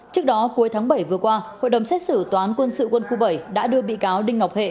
trước đó cuối tháng bảy vừa qua hội đồng xét xử toán quân sự quân khu bảy đã đưa bị cáo đinh ngọc hệ